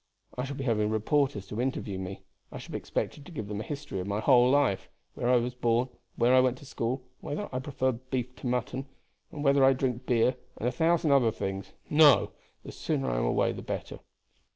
"I shall be having reporters to interview me. I shall be expected to give them a history of my whole life; where I was born, and where I went to school, and whether I prefer beef to mutton, and whether I drink beer, and a thousand other things. No; the sooner I am away the better.